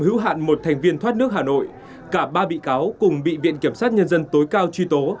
hữu hạn một thành viên thoát nước hà nội cả ba bị cáo cùng bị viện kiểm sát nhân dân tối cao truy tố